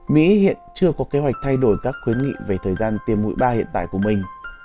mỹ hiện chưa có kế hoạch thay đổi các khuyến nghị về thời gian tiêm mũi ba hiện tại của mình